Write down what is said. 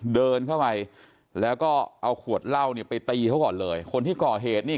เดินเข้าไปแล้วก็เอาขวดเหล้าเนี่ยไปตีเขาก่อนเลยคนที่ก่อเหตุนี่